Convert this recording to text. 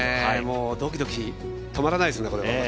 もうドキドキ止まらないですね。